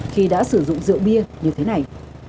khi đã sử dụng rượu bia như thế này